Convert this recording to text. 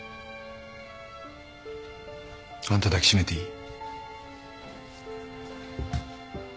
あんた抱きしめていい？